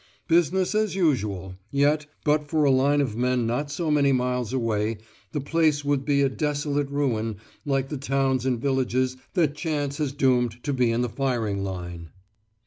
"Business as usual" yet, but for a line of men not so many miles away the place would be a desolate ruin like the towns and villages that chance has doomed to be in the firing line.